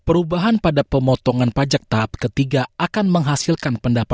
perubahan pada pemotongan pajak tahap ketiga akan menghasilkan pendapatan